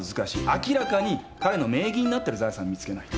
明らかに彼の名義になってる財産を見つけないと。